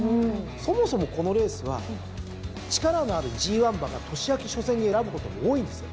そもそもこのレースは力のあるＧⅠ馬が年明け初戦に選ぶことも多いんですよ。